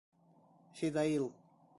Фидаил